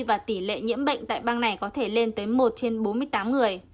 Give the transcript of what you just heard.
và tỷ lệ nhiễm bệnh tại bang này có thể lên tới một trên bốn mươi tám người